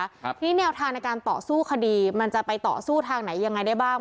ทีนี้แนวทางในการต่อสู้คดีมันจะไปต่อสู้ทางไหนยังไงได้บ้าง